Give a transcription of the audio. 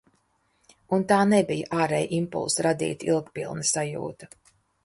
Un tā nebija ārēja impulsa radīta ilgpilna sajūta.